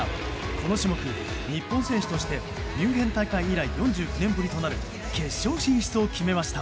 この種目、日本選手としてミュンヘン大会以来４９年ぶりとなる決勝進出を決めました。